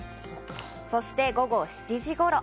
そして午後７時頃。